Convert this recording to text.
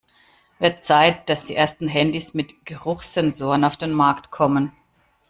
Wird Zeit, dass die ersten Handys mit Geruchssensoren auf den Markt kommen!